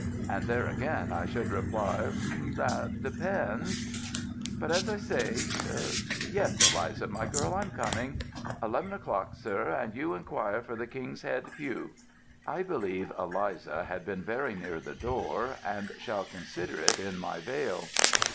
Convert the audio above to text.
and there again I should reply, 'That depends.' But as I say Yes, Eliza, my girl, I'm coming eleven o'clock, sir, and you inquire for the King's Head pew." I believe Eliza had been very near the door, and shall consider it in my vail.